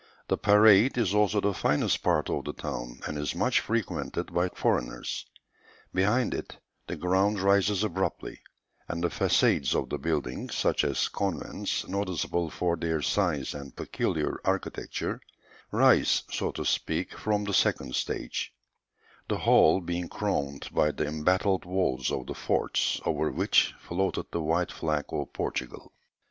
The parade is also the finest part of the town, and is much frequented by foreigners; behind it, the ground rises abruptly, and the façades of the buildings, such as convents, noticeable for their size and peculiar architecture, rise, so to speak, from the second stage; the whole being crowned by the embattled walls of the forts, over which floated the white flag of Portugal.